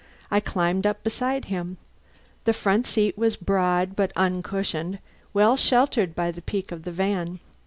I climbed up beside him. The front seat was broad but uncushioned, well sheltered by the peak of the van.